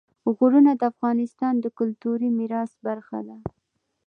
غرونه د افغانستان د کلتوري میراث برخه ده.